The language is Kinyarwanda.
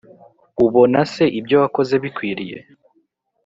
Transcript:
ubona se ibyo wakoze bikwiriye